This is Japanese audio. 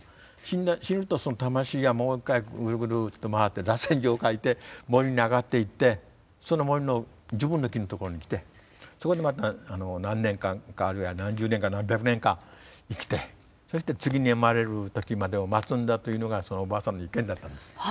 死ぬとその魂がもう一回ぐるぐるっと回ってらせん状を描いて森にあがっていってその森の自分の木の所に来てそこでまた何年間かあるいは何十年か何百年か生きてそして次に生まれるときまでを待つんだというのがそのおばあさんの意見だったんです。